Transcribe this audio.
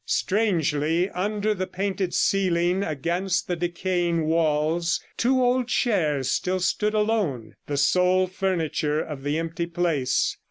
Strangely, under the painted ceiling, against the decaying walls, two old chairs still stood alone, the sole furniture of the empty place.